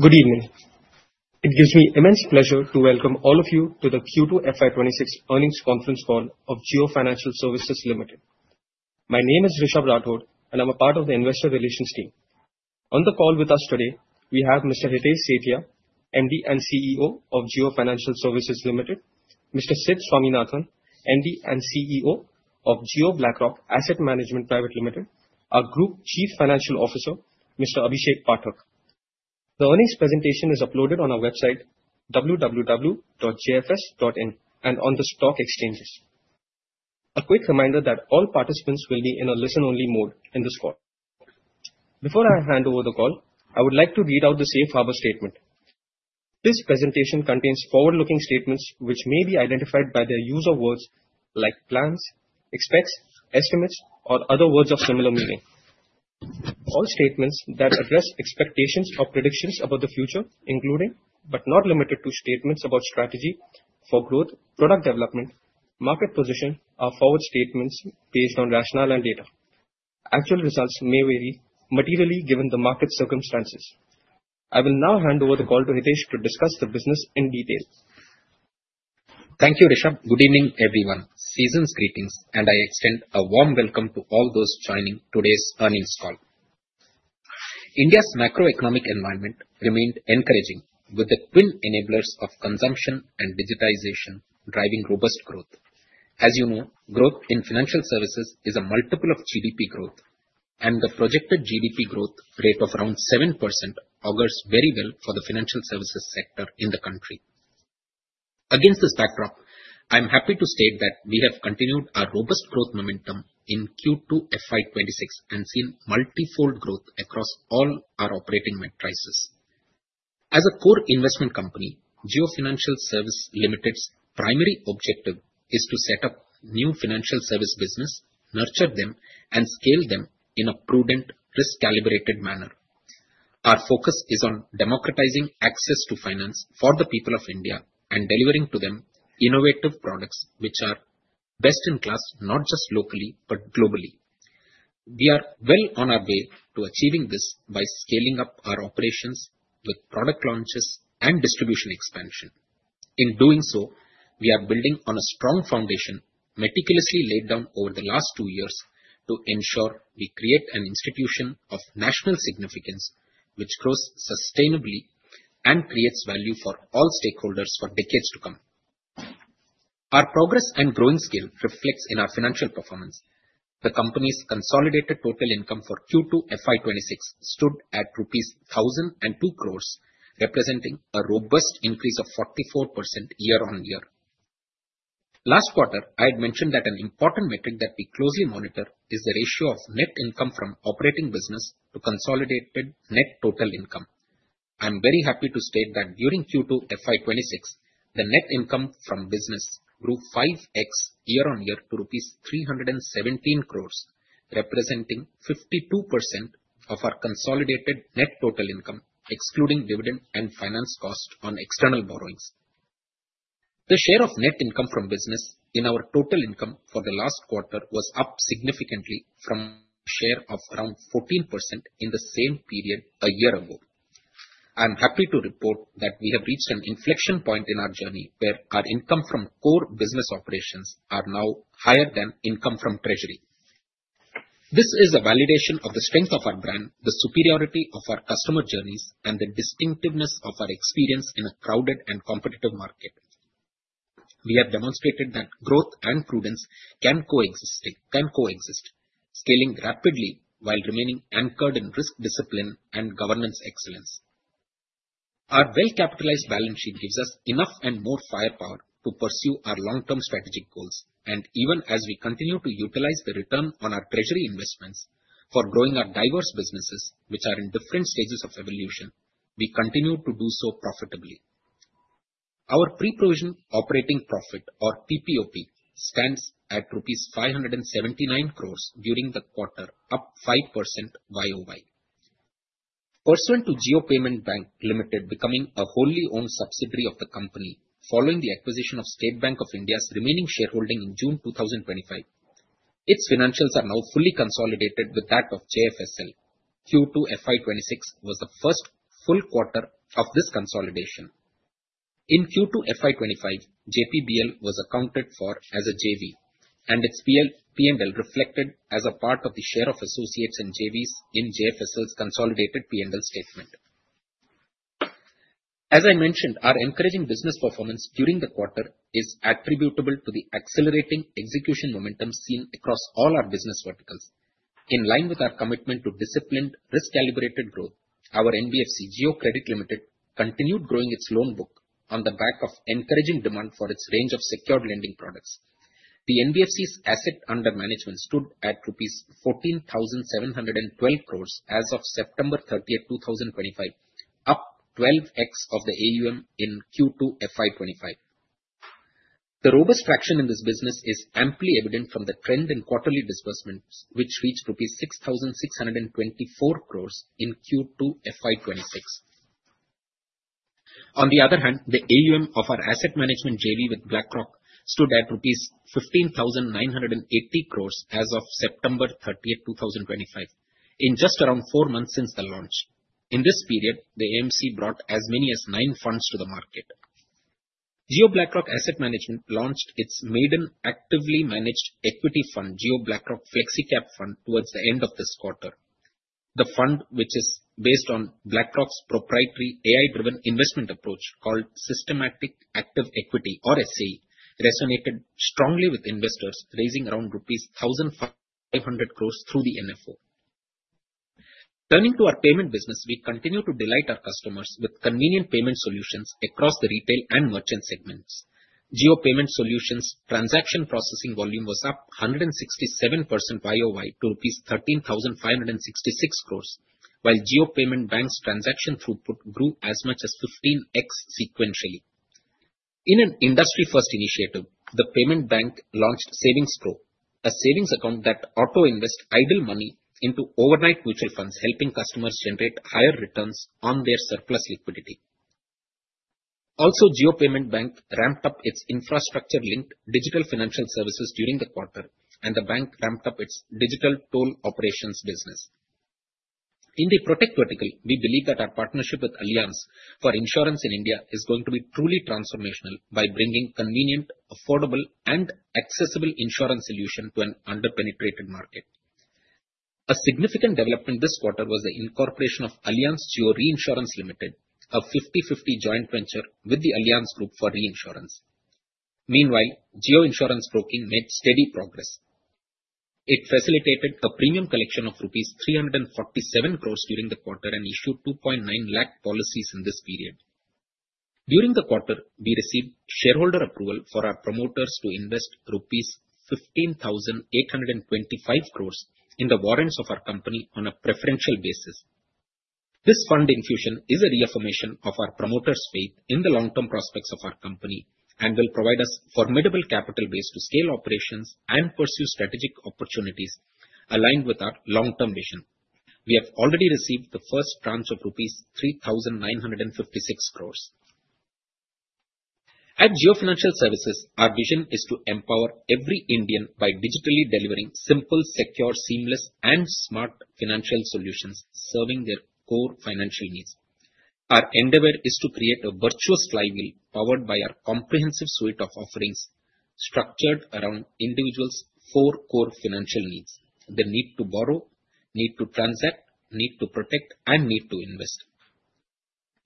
Good evening. It gives me immense pleasure to welcome all of you to the Q2 FY26 Earnings Conferencecall of Jio Financial Services Ltd. My name is Rishabh Rathod, and I'm a part of the investor relations team. On the call with us today, we have Mr. Hitesh Sethia, MD and CEO of Jio Financial Services Ltd, Mr. Sid Swaminathan, MD and CEO of Jio BlackRock Asset Management Private Ltd, our Group Chief Financial Officer, Mr. Abhishek Pathak. The earnings presentation is uploaded on our website, www.jfs.in, and on the stock exchanges. A quick reminder that all participants will be in a listen-only mode in this call. Before I hand over the call, I would like to read out the Safe Harbor Statement. This presentation contains forward-looking statements which may be identified by the use of words like plans, expects, estimates, or other words of similar meaning. All statements that address expectations or predictions about the future, including, but not limited to, statements about strategy for growth, product development, market position, are forward statements based on rationale and data. Actual results may vary materially given the market circumstances. I will now hand over the call to Hitesh to discuss the business in detail. Thank you, Rishabh. Good evening, everyone. Season's greetings, and I extend a warm welcome to all those joining today's earnings call. India's macroeconomic environment remained encouraging, with the twin enablers of consumption and digitization driving robust growth. As you know, growth in financial services is a multiple of GDP growth, and the projected GDP growth rate of around 7% augurs very well for the financial services sector in the country. Against this backdrop, I'm happy to state that we have continued our robust growth momentum in Q2 FY26 and seen multifold growth across all our operating metrics. As a core investment company, Jio Financial Services Ltd's primary objective is to set up new financial service businesses, nurture them, and scale them in a prudent, risk-calibrated manner. Our focus is on democratizing access to finance for the people of India and delivering to them innovative products which are best in class not just locally, but globally. We are well on our way to achieving this by scaling up our operations with product launches and distribution expansion. In doing so, we are building on a strong foundation meticulously laid down over the last two years to ensure we create an institution of national significance which grows sustainably and creates value for all stakeholders for decades to come. Our progress and growing scale reflects in our financial performance. The company's consolidated total income for Q2 FY26 stood at 1,002 crores rupees, representing a robust increase of 44% year-on-year. Last quarter, I had mentioned that an important metric that we closely monitor is the ratio of net income from operating business to consolidated net total income. I'm very happy to state that during Q2 FY26, the net income from business grew 5X year-on-year to rupees 317 crores, representing 52% of our consolidated net total income, excluding dividend and finance costs on external borrowings. The share of net income from business in our total income for the last quarter was up significantly from a share of around 14% in the same period a year ago. I'm happy to report that we have reached an inflection point in our journey where our income from core business operations is now higher than income from treasury. This is a validation of the strength of our brand, the superiority of our customer journeys, and the distinctiveness of our experience in a crowded and competitive market. We have demonstrated that growth and prudence can coexist, scaling rapidly while remaining anchored in risk discipline and governance excellence. Our well-capitalized balance sheet gives us enough and more firepower to pursue our long-term strategic goals, and even as we continue to utilize the return on our treasury investments for growing our diverse businesses, which are in different stages of evolution, we continue to do so profitably. Our pre-provision operating profit, or PPOP, stands at 579 crores rupees during the quarter, up 5% YOY. Pursuant to Jio Payments Bank Ltd becoming a wholly-owned subsidiary of the company following the acquisition of State Bank of India's remaining shareholding in June 2025, its financials are now fully consolidated with that of JFSL. Q2 FY26 was the first full quarter of this consolidation. In Q2 FY25, JPBL was accounted for as a JV, and its P&L reflected as a part of the share of associates and JVs in JFSL's consolidated P&L statement. As I mentioned, our encouraging business performance during the quarter is attributable to the accelerating execution momentum seen across all our business verticals. In line with our commitment to disciplined, risk-calibrated growth, our NBFC Jio Credit Ltd continued growing its loan book on the back of encouraging demand for its range of secured lending products. The NBFC's asset under management stood at rupees 14,712 crores as of September 30th, 2025, up 12X of the AUM in Q2 FY25. The robust traction in this business is amply evident from the trend in quarterly disbursements, which reached rupees 6,624 crores in Q2 FY26. On the other hand, the AUM of our asset management JV with BlackRock stood at 15,980 crores rupees as of September 30th, 2025, in just around four months since the launch. In this period, the AMC brought as many as nine funds to the market. Jio BlackRock Asset Management launched its maiden actively managed equity fund, Jio BlackRock Flexi Cap Fund, towards the end of this quarter. The fund, which is based on BlackRock's proprietary AI-driven investment approach called Systematic Active Equity, or SAE, resonated strongly with investors, raising around rupees 1,500 crores through the NFO. Turning to our payment business, we continue to delight our customers with convenient payment solutions across the retail and merchant segments. Jio Payment Solutions' transaction processing volume was up 167% YOY to rupees 13,566 crores, while Jio Payments Bank's transaction throughput grew as much as 15X sequentially. In an industry-first initiative, the Payments Bank launched Savings Pro, a savings account that auto-invests idle money into overnight mutual funds, helping customers generate higher returns on their surplus liquidity. Also, Jio Payments Bank ramped up its infrastructure-linked digital financial services during the quarter, and the bank ramped up its digital toll operations business. In the Protect vertical, we believe that our partnership with Allianz for Insurance in India is going to be truly transformational by bringing convenient, affordable, and accessible insurance solutions to an under-penetrated market. A significant development this quarter was the incorporation of Allianz Jio Reinsurance Limited, a 50/50 joint venture with the Allianz Group for reinsurance. Meanwhile, Jio Insurance Broking made steady progress. It facilitated a premium collection of rupees 347 crores during the quarter and issued 2.9 lakh policies in this period. During the quarter, we received shareholder approval for our promoters to invest 15,825 crores rupees in the warrants of our company on a preferential basis. This fund infusion is a reaffirmation of our promoters' faith in the long-term prospects of our company and will provide us a formidable capital base to scale operations and pursue strategic opportunities aligned with our long-term vision. We have already received the first tranche of rupees 3,956 crores. At Jio Financial Services, our vision is to empower every Indian by digitally delivering simple, secure, seamless, and smart financial solutions serving their core financial needs. Our endeavor is to create a virtuous flywheel powered by our comprehensive suite of offerings structured around individuals' four core financial needs: the need to borrow, need to transact, need to protect, and need to invest.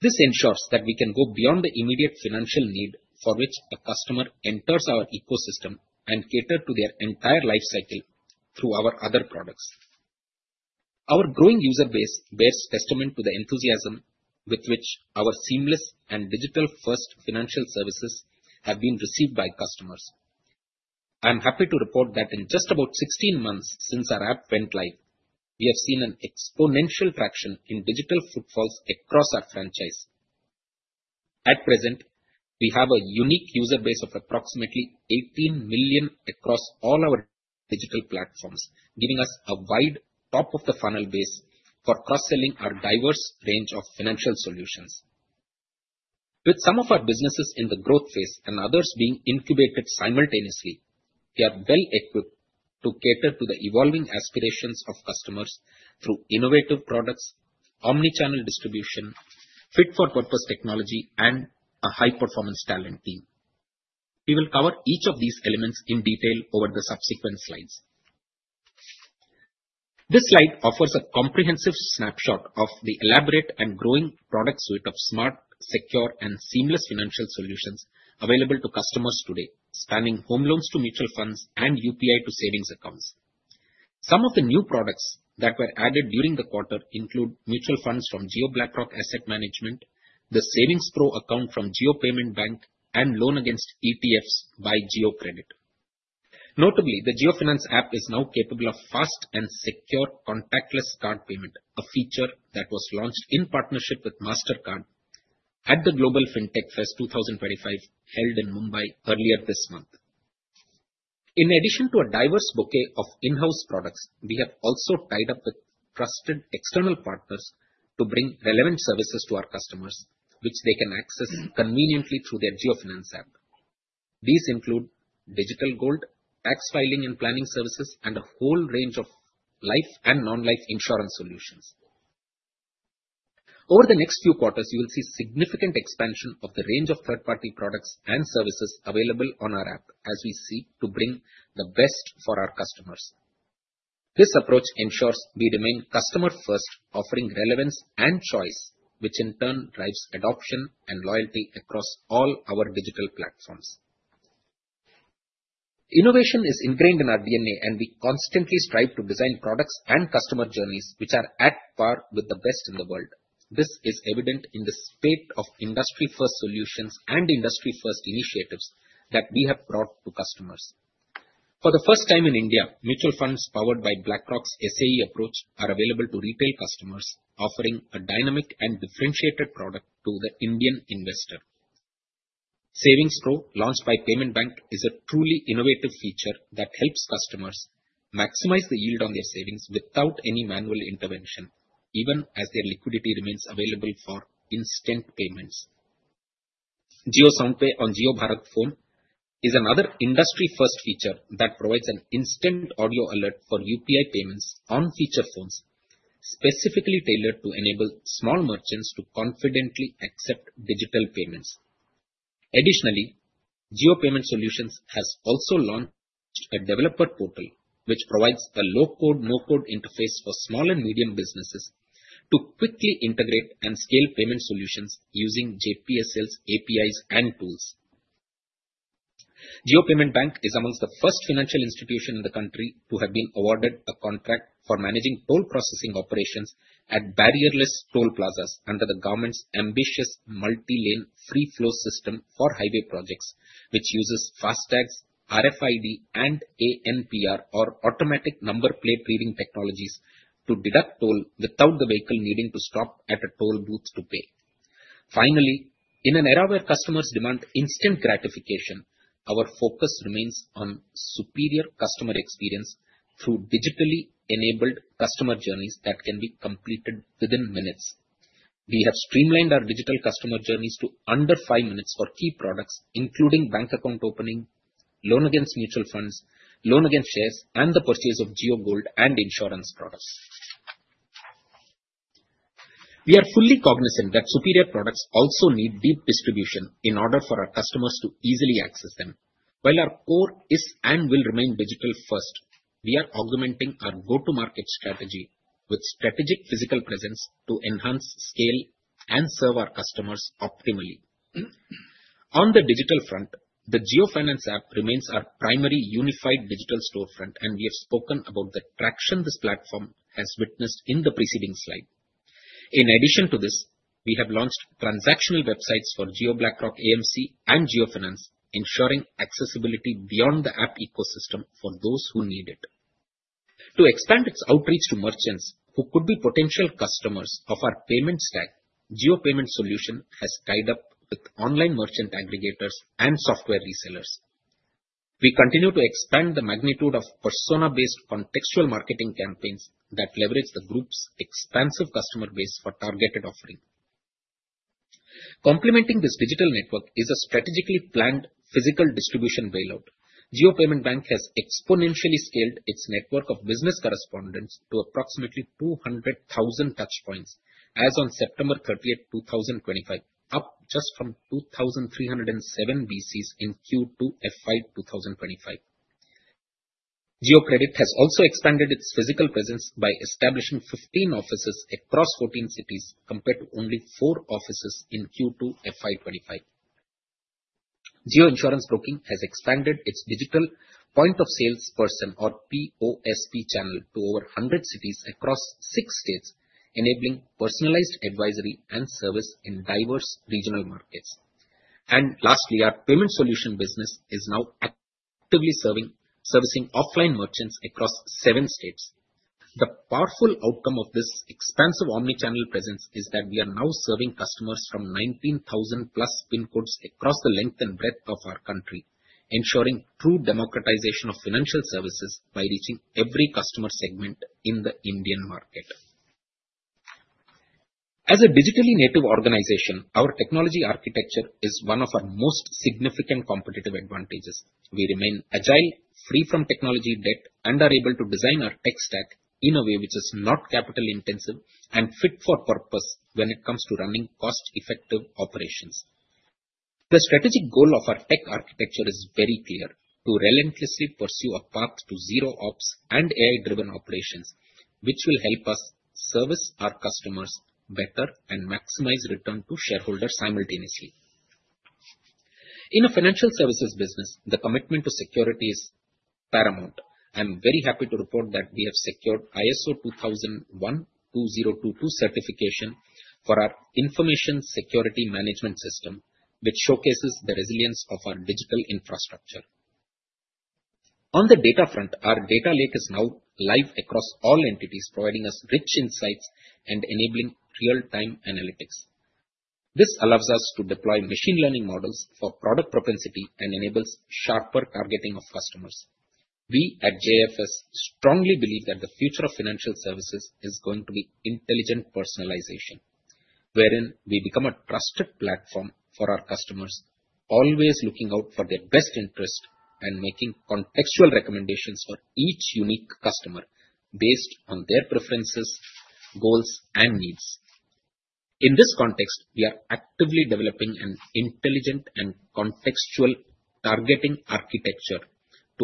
This ensures that we can go beyond the immediate financial need for which a customer enters our ecosystem and cater to their entire life cycle through our other products. Our growing user base bears testament to the enthusiasm with which our seamless and digital-first financial services have been received by customers. I'm happy to report that in just about 16 months since our app went live, we have seen an exponential traction in digital footfalls across our franchise. At present, we have a unique user base of approximately 18 million across all our digital platforms, giving us a wide top-of-the-funnel base for cross-selling our diverse range of financial solutions. With some of our businesses in the growth phase and others being incubated simultaneously, we are well equipped to cater to the evolving aspirations of customers through innovative products, omnichannel distribution, fit-for-purpose technology, and a high-performance talent team. We will cover each of these elements in detail over the subsequent slides. This slide offers a comprehensive snapshot of the elaborate and growing product suite of smart, secure, and seamless financial solutions available to customers today, spanning home loans to mutual funds and UPI to savings accounts. Some of the new products that were added during the quarter include mutual funds from Jio BlackRock Asset Management, the Savings Pro account from Jio Payments Bank, and loan against ETFs by Jio Credit. Notably, the Jio Finance app is now capable of fast and secure contactless card payment, a feature that was launched in partnership with Mastercard at the Global Fintech Fest 2025 held in Mumbai earlier this month. In addition to a diverse bouquet of in-house products, we have also tied up with trusted external partners to bring relevant services to our customers, which they can access conveniently through their Jio Finance app. These include digital gold, tax filing and planning services, and a whole range of life and non-life insurance solutions. Over the next few quarters, you will see significant expansion of the range of third-party products and services available on our app, as we seek to bring the best for our customers. This approach ensures we remain customer-first, offering relevance and choice, which in turn drives adoption and loyalty across all our digital platforms. Innovation is ingrained in our DNA, and we constantly strive to design products and customer journeys which are at par with the best in the world. This is evident in the spate of industry-first solutions and industry-first initiatives that we have brought to customers. For the first time in India, mutual funds powered by BlackRock's SAE approach are available to retail customers, offering a dynamic and differentiated product to the Indian investor. Savings Pro, launched by Payments Bank, is a truly innovative feature that helps customers maximize the yield on their savings without any manual intervention, even as their liquidity remains available for instant payments. JioSoundPay on JioBharat phone is another industry-first feature that provides an instant audio alert for UPI payments on feature phones, specifically tailored to enable small merchants to confidently accept digital payments. Additionally, Jio Payment Solutions has also launched a developer portal, which provides a low-code, no-code interface for small and medium businesses to quickly integrate and scale payment solutions using JPSL's APIs and tools. Jio Payments Bank is among the first financial institution in the country to have been awarded a contract for managing toll processing operations at barrierless toll plazas under the government's ambitious Multi-Lane Free Flow system for highway projects, which uses FASTags, RFID, and ANPR, or automatic number plate recognition technologies, to deduct toll without the vehicle needing to stop at a toll booth to pay. Finally, in an era where customers demand instant gratification, our focus remains on superior customer experience through digitally enabled customer journeys that can be completed within minutes. We have streamlined our digital customer journeys to under five minutes for key products, including bank account opening, loan against mutual funds, loan against shares, and the purchase of Jio Gold and insurance products. We are fully cognizant that superior products also need deep distribution in order for our customers to easily access them. While our core is and will remain digital-first, we are augmenting our go-to-market strategy with strategic physical presence to enhance scale and serve our customers optimally. On the digital front, the JioFinance app remains our primary unified digital storefront, and we have spoken about the traction this platform has witnessed in the preceding slide. In addition to this, we have launched transactional websites for Jio BlackRock AMC and JioFinance, ensuring accessibility beyond the app ecosystem for those who need it. To expand its outreach to merchants who could be potential customers of our payment stack, Jio Payment Solutions has tied up with online merchant aggregators and software resellers. We continue to expand the magnitude of persona-based contextual marketing campaigns that leverage the group's expansive customer base for targeted offering. Complementing this digital network is a strategically planned physical distribution buildout. Jio Payments Bank has exponentially scaled its network of business correspondents to approximately 200,000 touch points as of September 30th, 2025, up just from 2,307 BCs in Q2 FY25. Jio Credit has also expanded its physical presence by establishing 15 offices across 14 cities compared to only four offices in Q2 FY25. Jio Insurance Broking has expanded its digital point of salesperson, or PoSP, channel to over 100 cities across six states, enabling personalized advisory and service in diverse regional markets. And lastly, our payment solution business is now actively serving offline merchants across seven states. The powerful outcome of this expansive omnichannel presence is that we are now serving customers from 19,000 plus pin codes across the length and breadth of our country, ensuring true democratization of financial services by reaching every customer segment in the Indian market. As a digitally native organization, our technology architecture is one of our most significant competitive advantages. We remain agile, free from technology debt, and are able to design our tech stack in a way which is not capital-intensive and fit for purpose when it comes to running cost-effective operations. The strategic goal of our tech architecture is very clear: to relentlessly pursue a path to zero-ops and AI-driven operations, which will help us service our customers better and maximize return to shareholders simultaneously. In a financial services business, the commitment to security is paramount. I'm very happy to report that we have secured ISO 27001:2022 certification for our information security management system, which showcases the resilience of our digital infrastructure. On the data front, our data lake is now live across all entities, providing us rich insights and enabling real-time analytics. This allows us to deploy machine learning models for product propensity and enables sharper targeting of customers. We at JFS strongly believe that the future of financial services is going to be intelligent personalization, wherein we become a trusted platform for our customers, always looking out for their best interest and making contextual recommendations for each unique customer based on their preferences, goals, and needs. In this context, we are actively developing an intelligent and contextual targeting architecture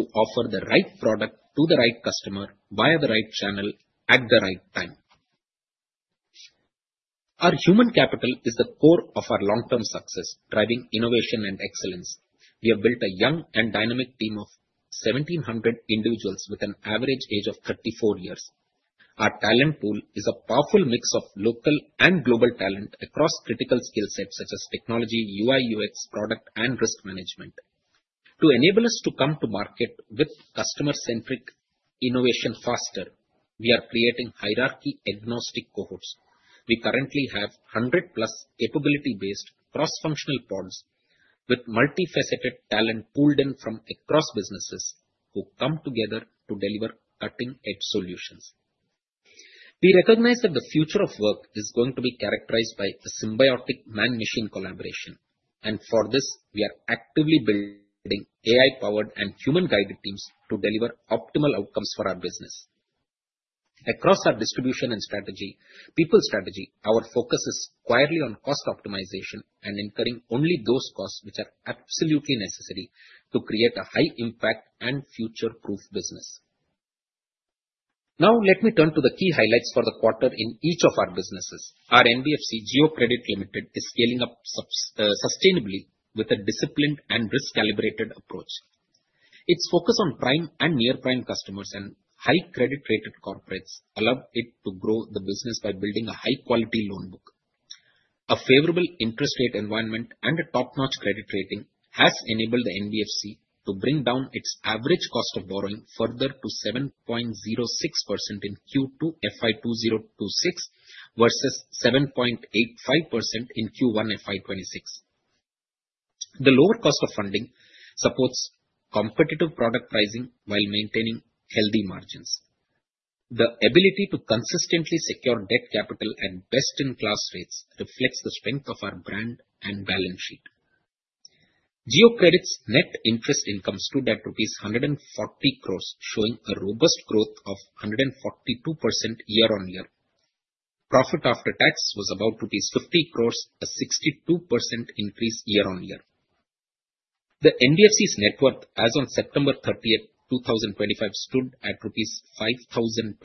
to offer the right product to the right customer via the right channel at the right time. Our human capital is the core of our long-term success, driving innovation and excellence. We have built a young and dynamic team of 1,700 individuals with an average age of 34 years. Our talent pool is a powerful mix of local and global talent across critical skill sets such as technology, UI/UX, product, and risk management. To enable us to come to market with customer-centric innovation faster, we are creating hierarchy-agnostic cohorts. We currently have 100-plus capability-based cross-functional pods with multi-faceted talent pooled in from across businesses who come together to deliver cutting-edge solutions. We recognize that the future of work is going to be characterized by a symbiotic man-machine collaboration and for this, we are actively building AI-powered and human-guided teams to deliver optimal outcomes for our business. Across our distribution and strategy, people strategy, our focus is squarely on cost optimization and incurring only those costs which are absolutely necessary to create a high-impact and future-proof business. Now, let me turn to the key highlights for the quarter in each of our businesses. Our NBFC, Jio Credit Ltd, is scaling up sustainably with a disciplined and risk-calibrated approach. Its focus on prime and near-prime customers and high credit-rated corporates allowed it to grow the business by building a high-quality loan book. A favorable interest rate environment and a top-notch credit rating have enabled the NBFC to bring down its average cost of borrowing further to 7.06% in Q2 FY2026 versus 7.85% in Q1 FY2026. The lower cost of funding supports competitive product pricing while maintaining healthy margins. The ability to consistently secure debt capital at best-in-class rates reflects the strength of our brand and balance sheet. Jio Credit's net interest income stood at 140 crores, showing a robust growth of 142% year-on-year. Profit after tax was about rupees 50 crores, a 62% increase year-on-year. The NBFC's net worth as of September 30th, 2025, stood at rupees 5,020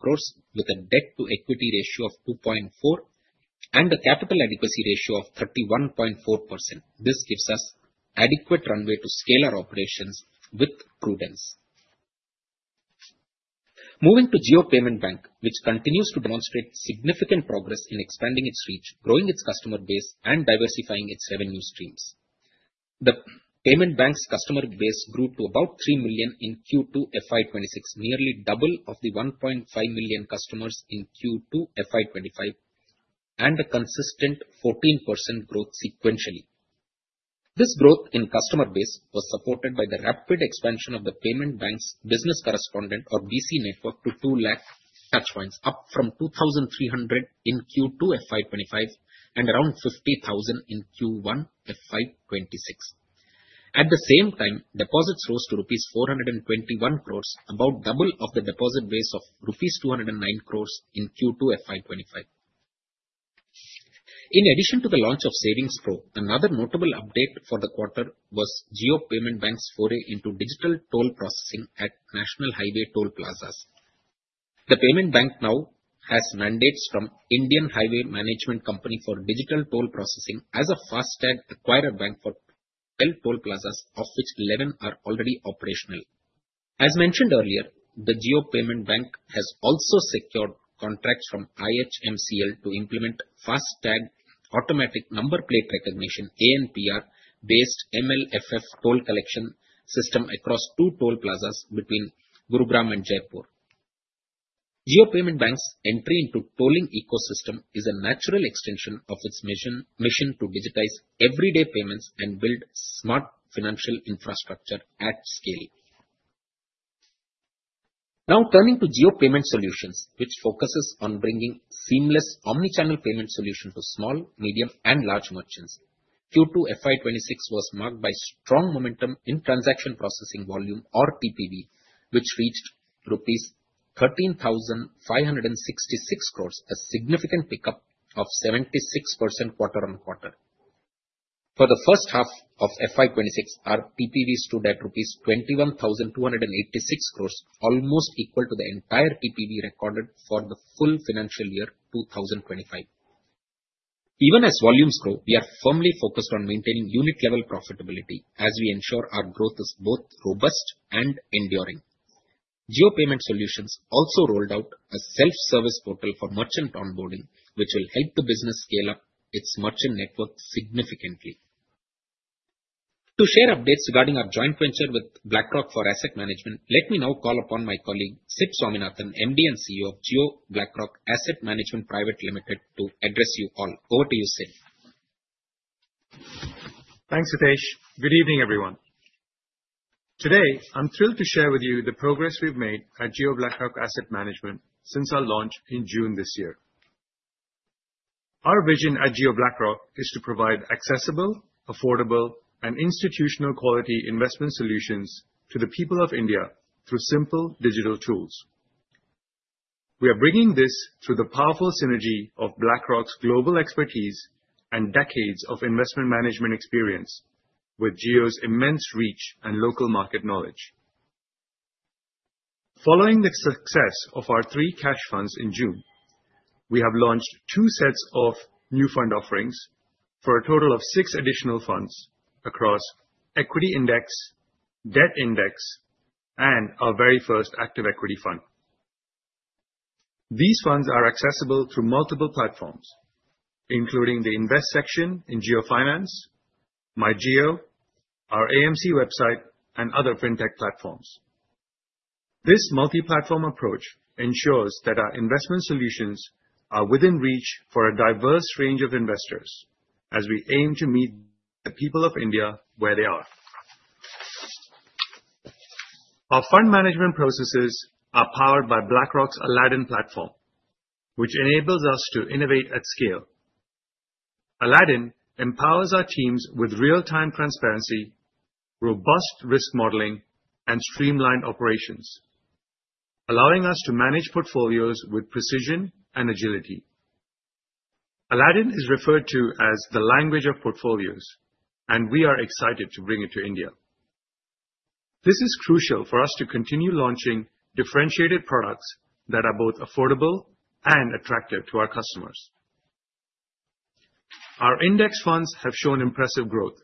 crores, with a debt-to-equity ratio of 2.4 and a capital adequacy ratio of 31.4%. This gives us adequate runway to scale our operations with prudence. Moving to Jio Payments Bank, which continues to demonstrate significant progress in expanding its reach, growing its customer base, and diversifying its revenue streams. The payment bank's customer base grew to about three million in Q2 FY26, nearly double of the 1.5 million customers in Q2 FY25, and a consistent 14% growth sequentially. This growth in customer base was supported by the rapid expansion of the payment bank's business correspondent, or BC network, to two lakh touch points, up from 2,300 in Q2 FY25 and around 50,000 in Q1 FY26. At the same time, deposits rose to rupees 421 crores, about double of the deposit base of rupees 209 crores in Q2 FY25. In addition to the launch of Savings Pro, another notable update for the quarter was Jio Payments Bank's foray into digital toll processing at national highway toll plazas. The payment bank now has mandates from Indian Highways Management Company for digital toll processing as a FASTag acquirer bank for 12 toll plazas, of which 11 are already operational. As mentioned earlier, the Jio Payments Bank has also secured contracts from IHMCL to implement FASTag automatic number plate recognition, ANPR-based MLFF toll collection system across two toll plazas between Gurugram and Jaipur. Jio Payments Bank's entry into tolling ecosystem is a natural extension of its mission to digitize everyday payments and build smart financial infrastructure at scale. Now turning to Jio Payment Solutions, which focuses on bringing seamless omnichannel payment solutions to small, medium, and large merchants, Q2 FY26 was marked by strong momentum in transaction processing volume, or TPV, which reached rupees 13,566 crores, a significant pickup of 76% quarter-on-quarter. For the first half of FY26, our TPV stood at rupees 21,286 crores, almost equal to the entire TPV recorded for the full financial year 2025. Even as volumes grow, we are firmly focused on maintaining unit-level profitability as we ensure our growth is both robust and enduring. Jio Payment Solutions also rolled out a self-service portal for merchant onboarding, which will help the business scale up its merchant network significantly. To share updates regarding our joint venture with BlackRock for Asset Management, let me now call upon my colleague Sid Swaminathan, MD and CEO of Jio BlackRock Asset Management Private Ltd, to address you all. Over to you, Sid. Thanks, Hitesh. Good evening, everyone. Today, I'm thrilled to share with you the progress we've made at Jio BlackRock Asset Management since our launch in June this year. Our vision at Jio BlackRock is to provide accessible, affordable, and institutional-quality investment solutions to the people of India through simple digital tools. We are bringing this through the powerful synergy of BlackRock's global expertise and decades of investment management experience with Jio's immense reach and local market knowledge. Following the success of our three cash funds in June, we have launched two sets of new fund offerings for a total of six additional funds across equity index, debt index, and our very first active equity fund. These funds are accessible through multiple platforms, including the Invest section in Jio Finance, MyJio, our AMC website, and other fintech platforms. This multi-platform approach ensures that our investment solutions are within reach for a diverse range of investors as we aim to meet the people of India where they are. Our fund management processes are powered by BlackRock's Aladdin platform, which enables us to innovate at scale. Aladdin empowers our teams with real-time transparency, robust risk modeling, and streamlined operations, allowing us to manage portfolios with precision and agility. Aladdin is referred to as the language of portfolios, and we are excited to bring it to India. This is crucial for us to continue launching differentiated products that are both affordable and attractive to our customers. Our index funds have shown impressive growth,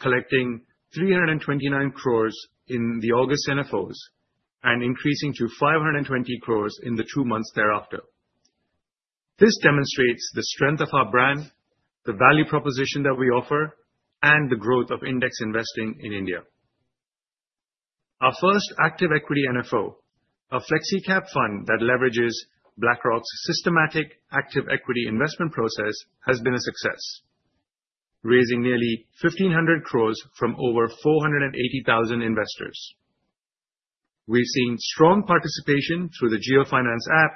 collecting 329 crores in the August NFOs and increasing to 520 crores in the two months thereafter. This demonstrates the strength of our brand, the value proposition that we offer, and the growth of index investing in India. Our first active equity NFO, a flexi-cap fund that leverages BlackRock's systematic active equity investment process, has been a success, raising nearly 1,500 crores from over 480,000 investors. We've seen strong participation through the Jio Finance app,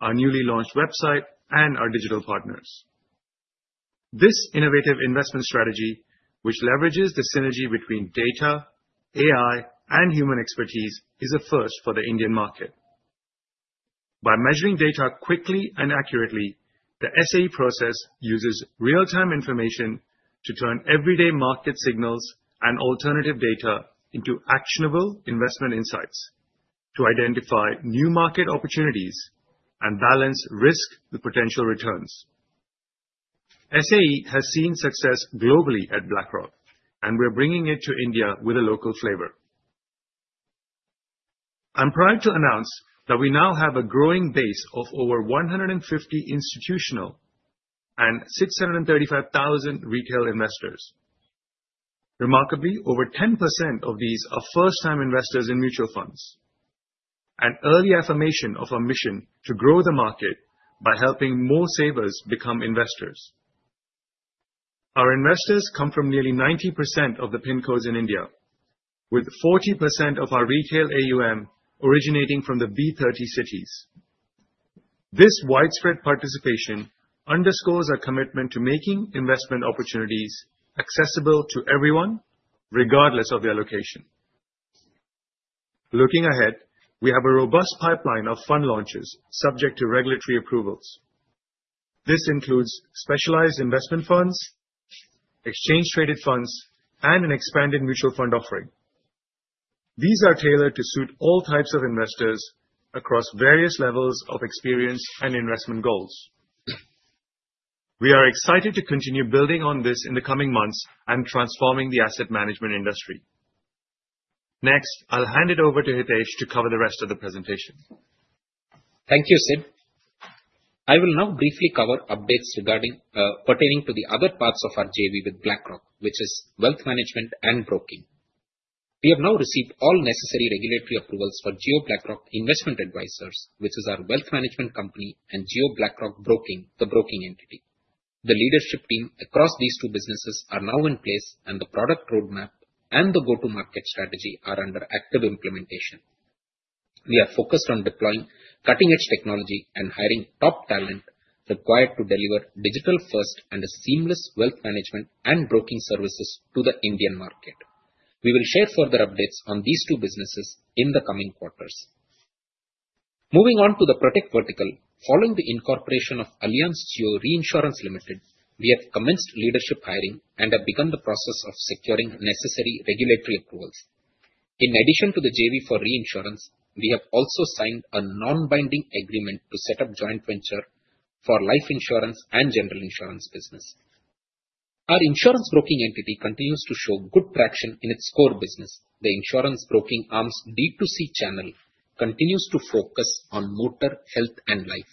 our newly launched website, and our digital partners. This innovative investment strategy, which leverages the synergy between data, AI, and human expertise, is a first for the Indian market. By measuring data quickly and accurately, the SAE process uses real-time information to turn everyday market signals and alternative data into actionable investment insights to identify new market opportunities and balance risk with potential returns. SAE has seen success globally at BlackRock, and we're bringing it to India with a local flavor. I'm proud to announce that we now have a growing base of over 150 institutional and 635,000 retail investors. Remarkably, over 10% of these are first-time investors in mutual funds, an early affirmation of our mission to grow the market by helping more savers become investors. Our investors come from nearly 90% of the PIN codes in India, with 40% of our retail AUM originating from the B30 cities. This widespread participation underscores our commitment to making investment opportunities accessible to everyone, regardless of their location. Looking ahead, we have a robust pipeline of fund launches subject to regulatory approvals. This includes specialized investment funds, exchange-traded funds, and an expanded mutual fund offering. These are tailored to suit all types of investors across various levels of experience and investment goals. We are excited to continue building on this in the coming months and transforming the asset management industry. Next, I'll hand it over to Hitesh to cover the rest of the presentation. Thank you, Sid. I will now briefly cover updates pertaining to the other parts of our JV with BlackRock, which is wealth management and broking. We have now received all necessary regulatory approvals for Jio BlackRock Investment Advisors, which is our wealth management company, and Jio BlackRock Broking, the broking entity. The leadership team across these two businesses are now in place, and the product roadmap and the go-to-market strategy are under active implementation. We are focused on deploying cutting-edge technology and hiring top talent required to deliver digital-first and seamless wealth management and broking services to the Indian market. We will share further updates on these two businesses in the coming quarters. Moving on to the protect vertical, following the incorporation of Allianz Jio Reinsurance Limited, we have commenced leadership hiring and have begun the process of securing necessary regulatory approvals. In addition to the JV for reinsurance, we have also signed a non-binding agreement to set up a joint venture for life insurance and general insurance business. Our insurance broking entity continues to show good traction in its core business. The insurance broking arm's D2C channel continues to focus on motor, health, and life.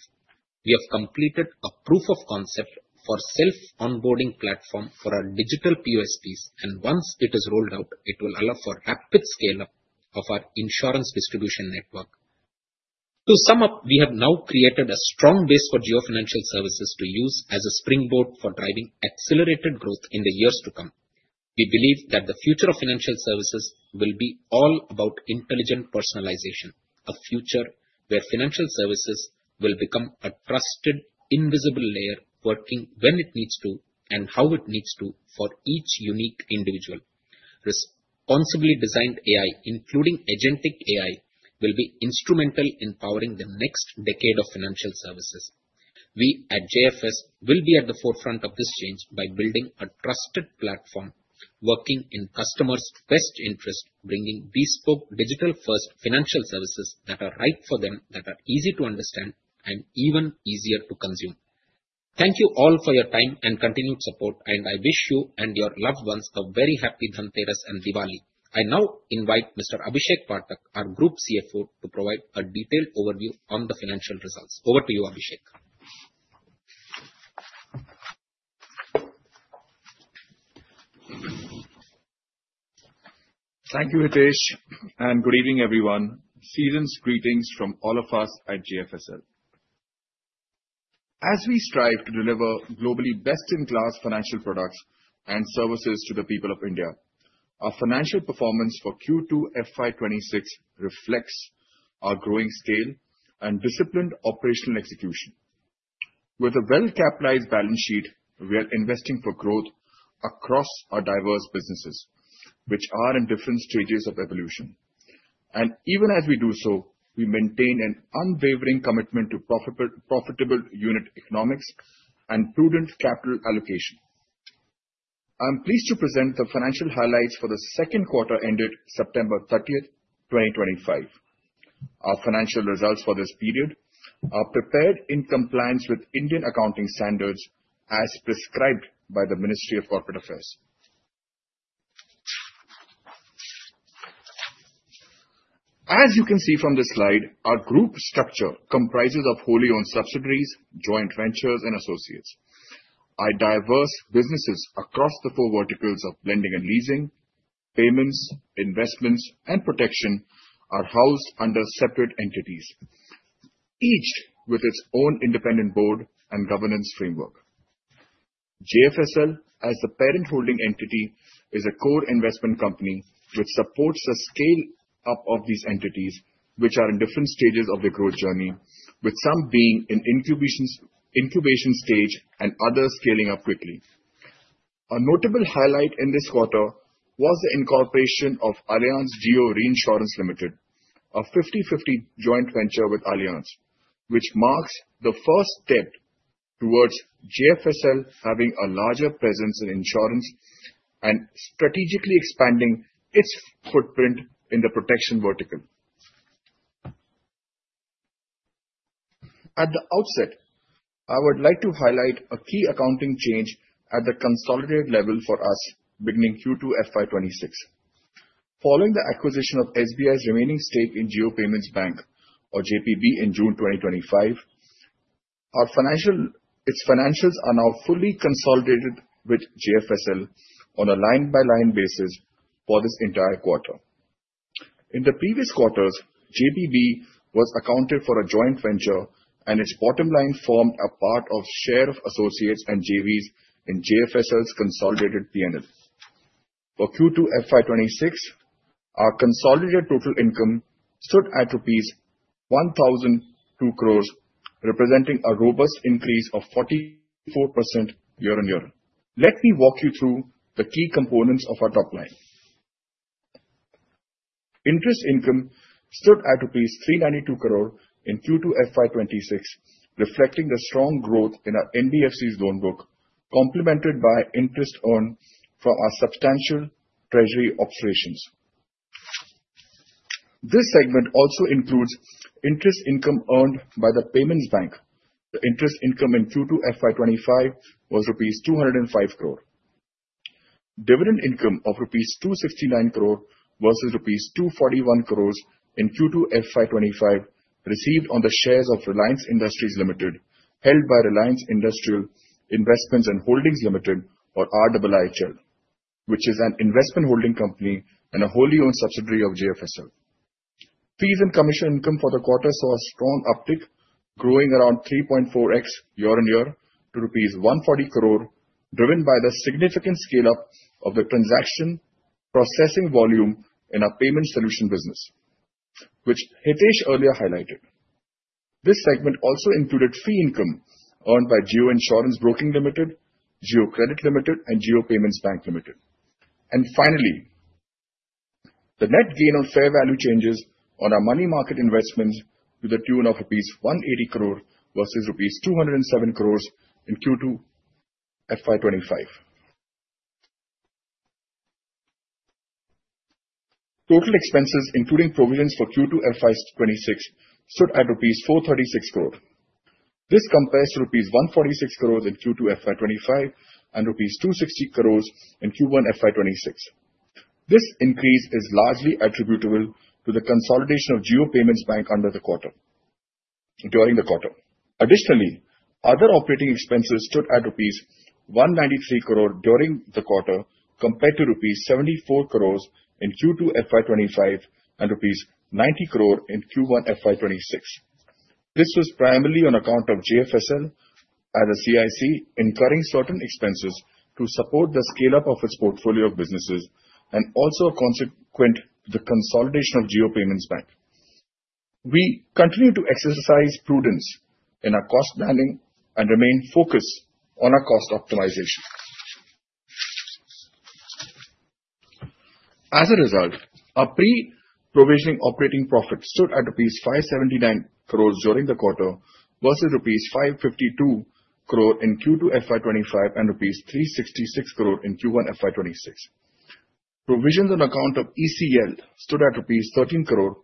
We have completed a proof of concept for a self-onboarding platform for our digital POSPs, and once it is rolled out, it will allow for rapid scale-up of our insurance distribution network. To sum up, we have now created a strong base for Jio Financial Services to use as a springboard for driving accelerated growth in the years to come. We believe that the future of financial services will be all about intelligent personalization, a future where financial services will become a trusted, invisible layer working when it needs to and how it needs to for each unique individual. Responsibly designed AI, including agentic AI, will be instrumental in powering the next decade of financial services. We at JFS will be at the forefront of this change by building a trusted platform working in customers' best interest, bringing bespoke digital-first financial services that are right for them, that are easy to understand, and even easier to consume. Thank you all for your time and continued support, and I wish you and your loved ones a very happy Dhanteras and Diwali. I now invite Mr. Abhishek Pathak, our Group CFO, to provide a detailed overview on the financial results. Over to you, Abhishek. Thank you, Hitesh, and good evening, everyone. Season's greetings from all of us at JFSL. As we strive to deliver globally best-in-class financial products and services to the people of India, our financial performance for Q2 FY26 reflects our growing scale and disciplined operational execution. With a well-capitalized balance sheet, we are investing for growth across our diverse businesses, which are in different stages of evolution. And even as we do so, we maintain an unwavering commitment to profitable unit economics and prudent capital allocation. I'm pleased to present the financial highlights for the second quarter ended September 30th, 2025. Our financial results for this period are prepared in compliance with Indian accounting standards as prescribed by the Ministry of Corporate Affairs. As you can see from this slide, our group structure comprises of wholly owned subsidiaries, joint ventures, and associates. Our diverse businesses across the four verticals of lending and leasing, payments, investments, and protection are housed under separate entities, each with its own independent board and governance framework. JFSL, as the parent holding entity, is a core investment company which supports the scale-up of these entities, which are in different stages of the growth journey, with some being in incubation stage and others scaling up quickly. A notable highlight in this quarter was the incorporation of Allianz Jio Reinsurance Limited, a 50/50 joint venture with Allianz, which marks the first step towards JFSL having a larger presence in insurance and strategically expanding its footprint in the protection vertical. At the outset, I would like to highlight a key accounting change at the consolidated level for us beginning Q2 FY26. Following the acquisition of SBI's remaining stake in Jio Payments Bank, or JPB, in June 2025, its financials are now fully consolidated with JFSL on a line-by-line basis for this entire quarter. In the previous quarters, JPB was accounted for as a joint venture, and its bottom line formed a part of share of associates and JVs in JFSL's consolidated P&L. For Q2 FY26, our consolidated total income stood at rupees 1,002 crores, representing a robust increase of 44% year-on-year. Let me walk you through the key components of our top line. Interest income stood at rupees 392 crore in Q2 FY26, reflecting the strong growth in our NBFC's loan book, complemented by interest earned from our substantial treasury operations. This segment also includes interest income earned by the payments bank. The interest income in Q2 FY25 was rupees 205 crore. Dividend income of rupees 269 crore versus rupees 241 crores in Q2 FY25 received on the shares of Reliance Industries Limited, held by Reliance Industrial Investments and Holdings Limited, or RIIHL, which is an investment holding company and a wholly owned subsidiary of JFSL. Fees and commission income for the quarter saw a strong uptick, growing around 3.4x year-on-year to rupees 140 crore, driven by the significant scale-up of the transaction processing volume in our payment solution business, which Hitesh earlier highlighted. This segment also included fee income earned by Jio Insurance Broking Ltd, Jio Credit Ltd, and Jio Payments Bank Ltd, and finally, the net gain on fair value changes on our money market investments to the tune of rupees 180 crore versus rupees 207 crores in Q2 FY25. Total expenses, including provisions for Q2 FY26, stood at rupees 436 crore. This compares to rupees 146 crores in Q2 FY25 and rupees 260 crores in Q1 FY26. This increase is largely attributable to the consolidation of Jio Payments Bank during the quarter. Additionally, other operating expenses stood at rupees 193 crore during the quarter compared to rupees 74 crores in Q2 FY25 and rupees 90 crore in Q1 FY26. This was primarily on account of JFSL as a CIC incurring certain expenses to support the scale-up of its portfolio of businesses and also a consequence of the consolidation of Jio Payments Bank. We continue to exercise prudence in our cost planning and remain focused on our cost optimization. As a result, our pre-provisioning operating profit stood at rupees 579 crores during the quarter versus rupees 552 crore in Q2 FY25 and rupees 366 crore in Q1 FY26. Provisions on account of ECL stood at rupees 13 crore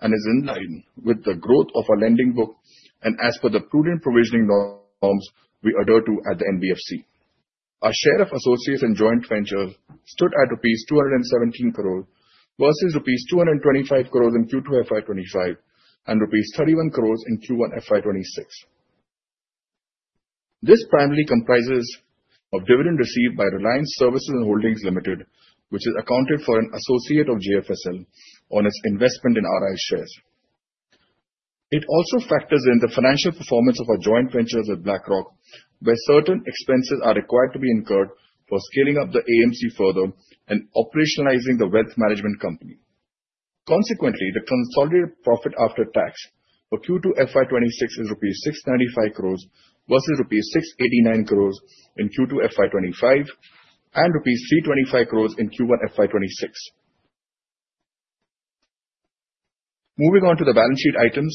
and is in line with the growth of our lending book and as per the prudent provisioning norms we adhere to at the NBFC. Our share of associates and joint ventures stood at rupees 217 crore versus rupees 225 crore in Q2 FY25 and rupees 31 crore in Q1 FY26. This primarily comprises of dividend received by Reliance Services and Holdings Limited, which is accounted for an associate of JFSL on its investment in RI shares. It also factors in the financial performance of our joint ventures with BlackRock, where certain expenses are required to be incurred for scaling up the AMC further and operationalizing the wealth management company. Consequently, the consolidated profit after tax for Q2 FY26 is rupees 695 crore versus rupees 689 crore in Q2 FY25 and rupees 325 crore in Q1 FY26. Moving on to the balance sheet items,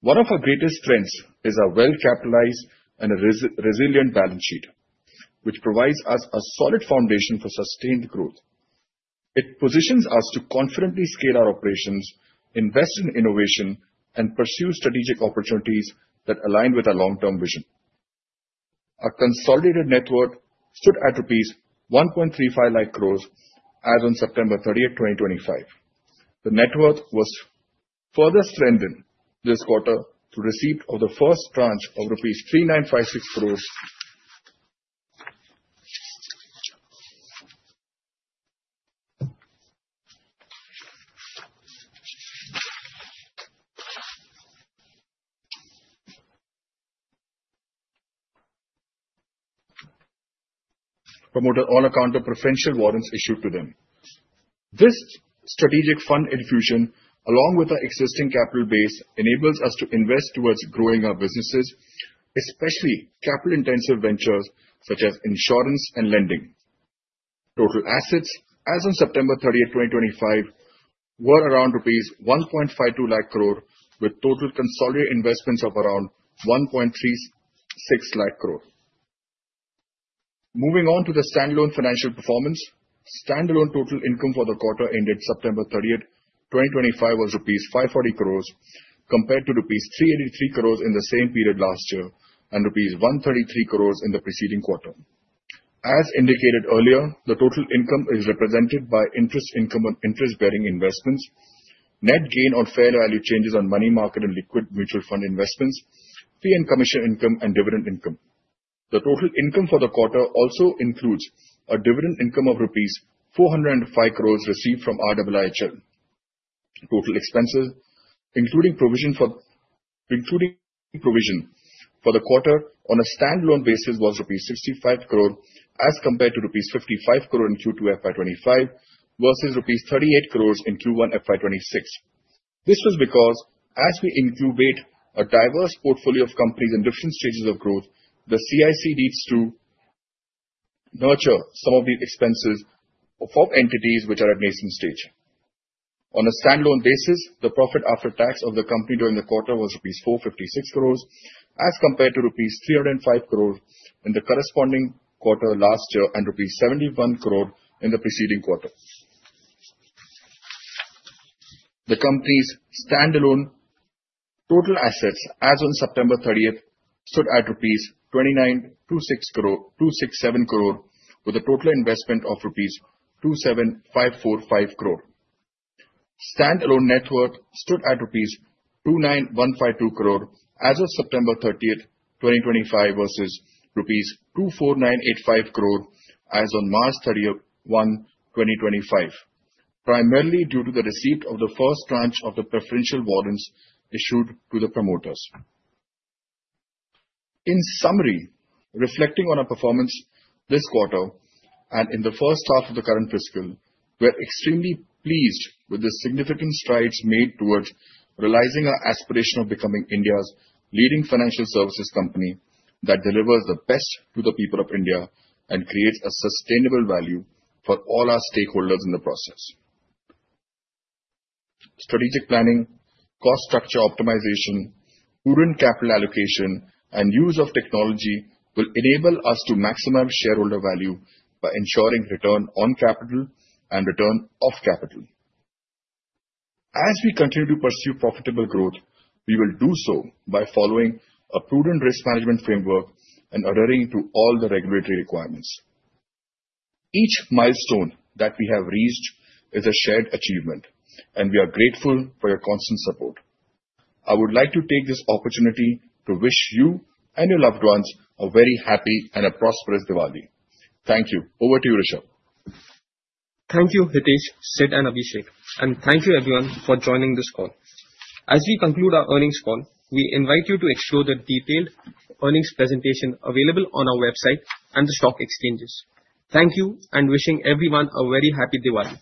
one of our greatest strengths is our well-capitalized and resilient balance sheet, which provides us a solid foundation for sustained growth. It positions us to confidently scale our operations, invest in innovation, and pursue strategic opportunities that align with our long-term vision. Our consolidated net worth stood at rupees 1.35 lakh crore as of September 30th, 2025. The net worth was further strengthened this quarter through receipt of the first tranche of INR 3,956 crore from promoters on account of preferential warrants issued to them. This strategic fund infusion, along with our existing capital base, enables us to invest towards growing our businesses, especially capital-intensive ventures such as insurance and lending. Total assets as of September 30th, 2025, were around rupees 1.52 lakh crore, with total consolidated investments of around 1.36 lakh crore. Moving on to the standalone financial performance, standalone total income for the quarter ended September 30th, 2025, was rupees 540 crore compared to rupees 383 crore in the same period last year and rupees 133 crore in the preceding quarter. As indicated earlier, the total income is represented by interest income on interest-bearing investments, net gain on fair value changes on money market and liquid mutual fund investments, fee and commission income, and dividend income. The total income for the quarter also includes a dividend income of rupees 405 crore received from RIIHL. Total expenses, including provision for the quarter on a standalone basis, was rupees 65 crore as compared to rupees 55 crore in Q2 FY25 versus rupees 38 crore in Q1 FY26. This was because as we incubate a diverse portfolio of companies in different stages of growth, the CIC needs to nurture some of the expenses for entities which are at nascent stage. On a standalone basis, the profit after tax of the company during the quarter was rupees 456 crore as compared to rupees 305 crore in the corresponding quarter last year and rupees 71 crore in the preceding quarter. The company's standalone total assets as of September 30th stood at rupees 2,926 crore, with a total investment of rupees 27,545 crore. Standalone net worth stood at rupees 29,152 crore as of September 30th, 2025, versus rupees 24,985 crore as of March 31, 2025, primarily due to the receipt of the first tranche of the preferential warrants issued to the promoters. In summary, reflecting on our performance this quarter and in the first half of the current fiscal, we are extremely pleased with the significant strides made towards realizing our aspiration of becoming India's leading financial services company that delivers the best to the people of India and creates a sustainable value for all our stakeholders in the process. Strategic planning, cost structure optimization, prudent capital allocation, and use of technology will enable us to maximize shareholder value by ensuring return on capital and return of capital. As we continue to pursue profitable growth, we will do so by following a prudent risk management framework and adhering to all the regulatory requirements. Each milestone that we have reached is a shared achievement, and we are grateful for your constant support. I would like to take this opportunity to wish you and your loved ones a very happy and prosperous Diwali. Thank you. Over to you, Rishabh. Thank you, Hitesh, Sid, and Abhishek, and thank you, everyone, for joining this call. As we conclude our earnings call, we invite you to explore the detailed earnings presentation available on our website and the stock exchanges. Thank you, and wishing everyone a very happy Diwali.